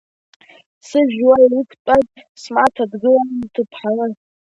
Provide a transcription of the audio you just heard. Сыжәҩа иқәтәаз смаҭа, дгылан дҭыԥҳаны.